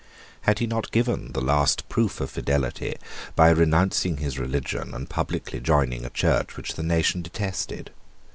Had he not given the last proof of fidelity by renouncing his religion, and publicly joining a Church which the nation detested?